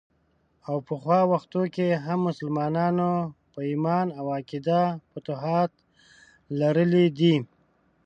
او پخوا وختونو کې هم مسلمانانو په ايمان او عقیده فتوحات لرلي دي.